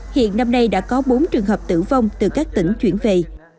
hiện năm nay đã có bốn trường hợp tử vong từ các tỉnh chuyển về